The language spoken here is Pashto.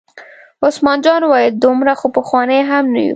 عثمان جان وویل: دومره خو پخواني هم نه یو.